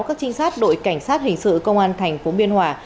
các trinh sát đội cảnh sát hình sự công an thành phố biên hòa